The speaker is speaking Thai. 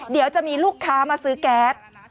เดี๋ยวจะมีลูกค้ามาซื้อแก๊ส